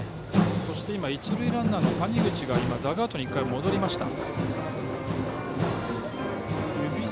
今、一塁ランナーの谷口がダグアウトに１回戻りました。